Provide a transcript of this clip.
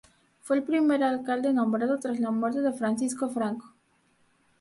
Fue el primer alcalde nombrado tras la muerte de Francisco Franco.